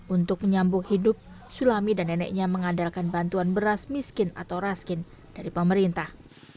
untuk menyambung hidup sulami dan neneknya mengandalkan bantuan beras miskin atau raskin dari pemerintah